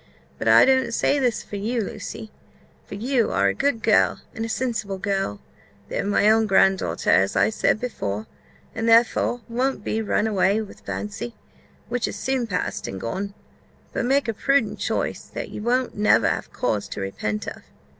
But I don't say this for you, Lucy; for you are a good girl, and a sensible girl, though my own grand daughter, as I said before, and therefore won't be run away with by fancy, which is soon past and gone: but make a prudent choice, that you won't never have cause to repent of.